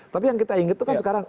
tapi yang kita ingat itu kan sekarang